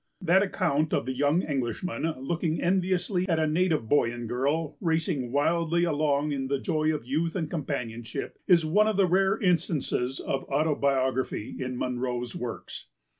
That account of the young Englishman looking enviously at a native boy and girl, racing wildly along in the joy of youth and companionship, is one of the rare instances of autobiography in Munro's works.